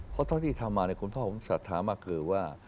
เพราะเท่าที่ทำมาคุณพ่อผมศรัทธามากคือว่า